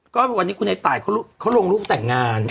ก็วันนี้คุณไอ้ตายเขาลงรูปแต่งงาน